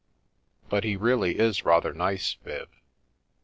But he really is rather nice, Viv."